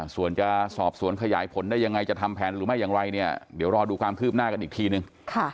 ส่วนจะสอบสวนขยายผลได้ยังไงจะทำแผนหรือไม่อย่างไรเนี่ยเดี๋ยวรอดูความคืบหน้ากันอีกทีนึง